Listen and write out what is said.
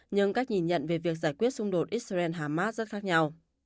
nhưng các nhìn nhận về việc giải quyết xung đột israel harmaz rất khác nhau